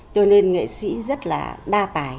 cho nên nghệ sĩ rất là đa tài